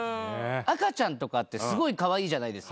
赤ちゃんとかってすごいかわいいじゃないですか。